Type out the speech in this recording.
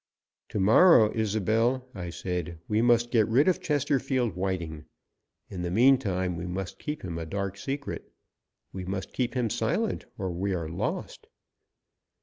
"To morrow, Isobel," I said, "we must get rid of Chesterfield Whiting. In the meantime we must keep him a dark secret. We must keep him silent, or we are lost."